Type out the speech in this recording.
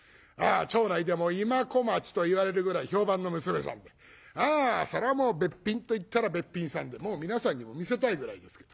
町内でも今小町と言われるぐらい評判の娘さんであそりゃもうべっぴんといったらべっぴんさんでもう皆さんにも見せたいぐらいですけど。